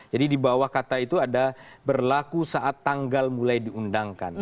jadi di bawah kata itu ada berlaku saat tanggal mulai diundangkan